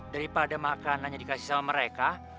daripada makanannya dikasih sama mereka